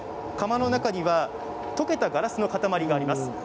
窯の中には溶けたガラスの塊があります。